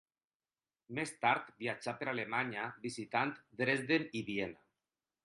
Més tard viatjà per Alemanya, visitant Dresden i Viena.